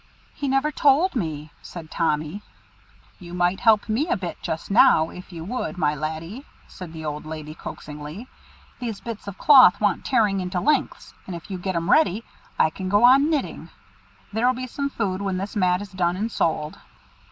"He never told me," said Tommy. "You might help me a bit just now, if you would, my laddie," said the old lady coaxingly; "these bits of cloth want tearing into lengths, and if you get 'em ready, I can go on knitting. There'll be some food when this mat is done and sold."